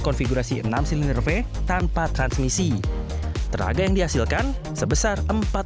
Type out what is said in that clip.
konfigurasi enam siliner v tanpa transmisi tenaga yang dihasilkan sebesar